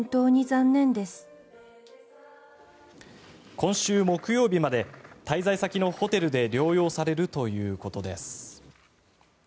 今週木曜日まで滞在先のホテルで療養されるということです。